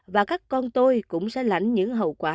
và các con tôi cũng sẽ lãnh những hậu quả